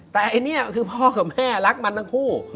แต่พ่อกับแม่รักมันทั้งคู่